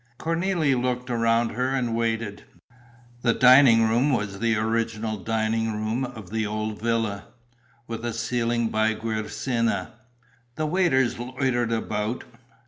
Cornélie looked around her and waited. The dining room was the original dining room of the old villa, with a ceiling by Guercina. The waiters loitered about.